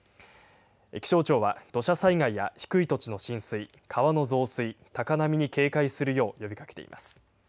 気象庁は、土砂災害や低い土地の浸水、川の増水、高波に警戒するよう呼びかけています。